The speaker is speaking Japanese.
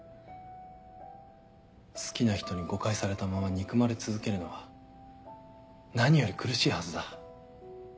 好きな人に誤解されたまま憎まれ続けるのは何より苦しいはずだ。